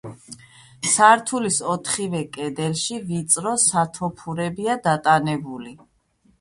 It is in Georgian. სართულის ოთხივე კედელში ვიწრო სათოფურებია დატანებული.